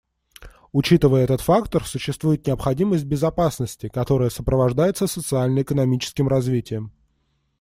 Учитывая этот фактор, существует необходимость в безопасности, которая сопровождается социально-экономическим развитием.